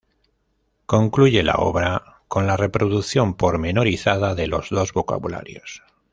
Concluye la obra con la reproducción pormenorizada de los dos vocabularios.